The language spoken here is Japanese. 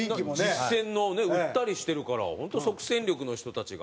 実践のね売ったりしてるから本当即戦力の人たちが。